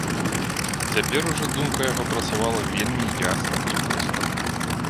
Цяпер ужо думка яго працавала вельмі ясна і востра.